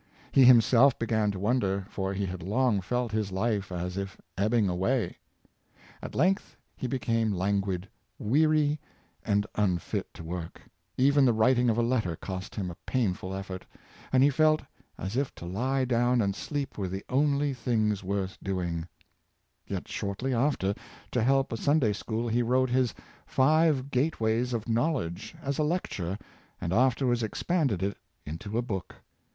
He himself began to won der, for he had long felt his life as if ebbing away. At length he became languid, weary, and unfit for work; even the writing of a letter cost him a painful effort, and he felt ''as if to lie down and sleep were the only things worth doing," Yet shortly after, to help a Sun 508 Wzl soil's Love of Work and Duty. day school, he wrote his " Five Gateways of Knowl edge," as a lecture, and afterwards expanded it into a book.